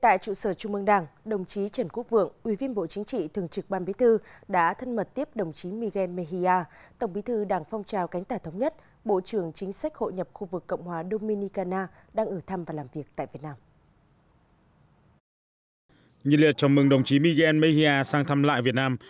tại trụ sở trung mương đảng đồng chí trần quốc vượng ủy viên bộ chính trị thường trực ban bí thư đã thân mật tiếp đồng chí miguel mehia tổng bí thư đảng phong trào cánh tả thống nhất bộ trưởng chính sách hội nhập khu vực cộng hòa dominicana đang ở thăm và làm việc tại việt nam